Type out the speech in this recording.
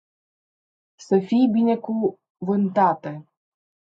Sa fi binecuvanata.